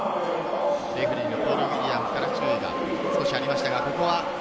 レフェリーのポール・ウィリアムズから注意がありました。